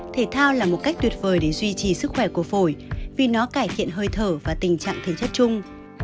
thể thao là một cách tuyệt vời để duy trì sức khỏe của phổi vì nó cải thiện hơi thở và tình trạng thể chất chung